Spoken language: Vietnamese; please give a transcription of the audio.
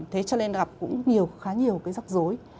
thế cho nên gặp cũng nhiều khá nhiều cái rắc rối